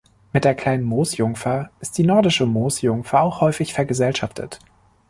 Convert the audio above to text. Mit der Kleinen Moosjungfer ist die Nordische Moosjungfer auch häufig vergesellschaftet.